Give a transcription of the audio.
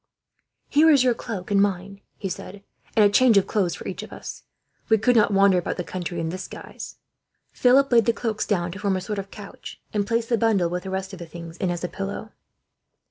"Here is your cloak and mine," he said, "and a change of clothes for each of us. We could not wander about the country, in this guise." Philip laid the cloaks down to form a sort of couch; and placed the bundle, with the rest of the things in, as a pillow.